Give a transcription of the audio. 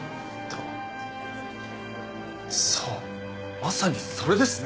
そうまさにそれですね！